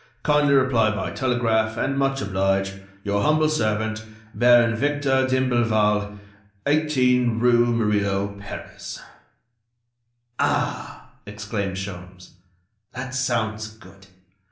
"Kindly reply by telegraph, and much oblige, "Your humble servant, "Baron Victor d'Imblevalle, "18 rue Murillo, Paris." "Ah!" exclaimed Sholmes, "that sounds good